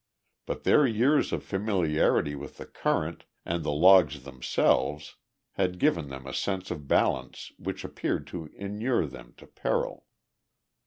But their years of familiarity with the current and the logs themselves had given them a sense of balance which appeared to inure them to peril.